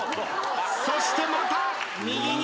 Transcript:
そしてまた右２。